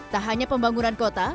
tak hanya pembangunan kota